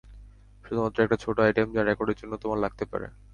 শুধুমাত্র একটা ছোট আইটেম যা রেকর্ডের জন্য তোমার লাগতে পারে।